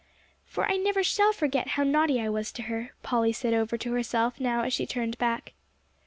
"For I never shall forget how naughty I was to her," Polly said over to herself now as she turned back.